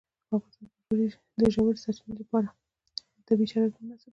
په افغانستان کې د ژورې سرچینې لپاره طبیعي شرایط مناسب دي.